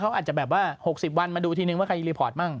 เขาอาจจะแบบว่า๖๐วันมาดูทีนึงว่าใครรีพอร์ตมั